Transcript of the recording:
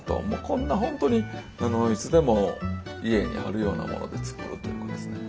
こんな本当にいつでも家にあるようなもので作るというものですね。